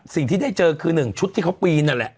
สิ่งที่ได้เจอคือ๑ชุดที่เขาปีนนั่นแหละ